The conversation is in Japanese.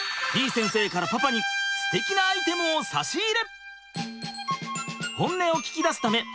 先生からパパにすてきなアイテムを差し入れ！